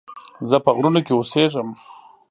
زه په غرونو کې اوسيږم